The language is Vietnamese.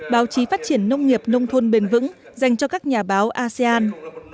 báo chí phát triển nông nghiệp nông thôn bền vững dành cho các nhà báo asean